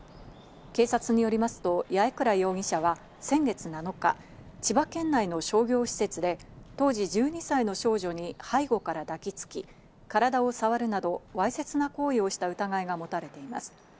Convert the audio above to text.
警察によりますと八重倉容疑者は先月７日、千葉県内の商業施設で当時１２歳の少女に背後から抱きつき、体をさわるなど、わいせつな行為をした疑いが持たれています。